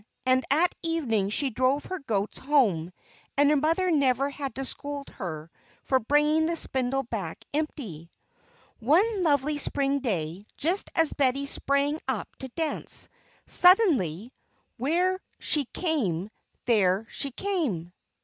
And at evening she drove her goats home, and her mother never had to scold her for bringing the spindle back empty. One lovely Spring day, just as Betty sprang up to dance, suddenly where she came, there she came!